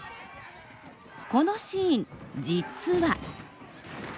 このシーン実は。